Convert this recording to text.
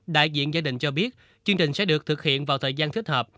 đại diện gia đình cho biết chương trình sẽ được thực hiện vào thời gian thích hợp